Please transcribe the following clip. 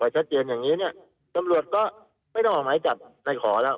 ชัดเจนอย่างนี้เนี่ยตำรวจก็ไม่ต้องออกหมายจับในขอแล้ว